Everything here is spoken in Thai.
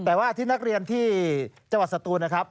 แต่ว่าที่นักเรียนที่จังหวัดสตูนนะครับ